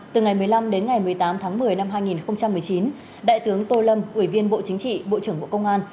từ ngày một mươi năm đến ngày một mươi tám tháng một mươi năm hai nghìn một mươi chín đại tướng tô lâm ủy viên bộ chính trị bộ trưởng bộ công an